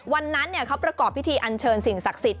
วันนั้นเขาประกอบพิธีอันเชิญสิ่งศักดิ์สิทธิ